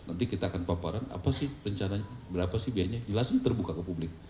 nanti kita akan paparan apa sih rencananya berapa sih biayanya jelas ini terbuka ke publik